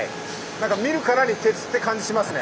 なんか見るからに鉄って感じしますね。